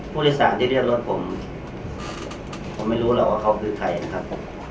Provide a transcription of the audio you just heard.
ผู้โดยสารที่เรียกรถผมผมไม่รู้หรอกว่าเขาคือใครนะครับผม